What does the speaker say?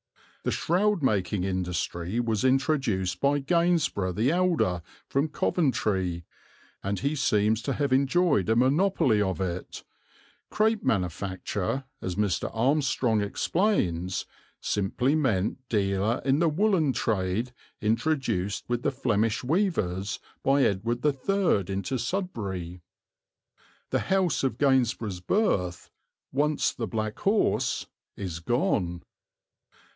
The shroud making industry was introduced by Gainsborough the elder, from Coventry, and he seems to have enjoyed a monopoly of it; "crape manufacture," as Mr. Armstrong explains, simply meant dealer in the woollen trade introduced with the Flemish weavers by Edward III into Sudbury. The house of Gainsborough's birth, once the "Black Horse," is gone.